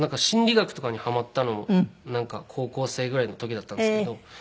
心理学とかにハマったのも高校生ぐらいの時だったんですけど。